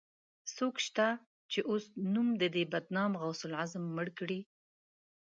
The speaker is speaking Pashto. څوک شته، چې اوس نوم د دې بدنام غوث العظم مړ کړي